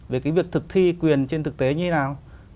về cái việc thực thi quyền trên thực tế như thế nào